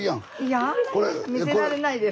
やだ見せられないです。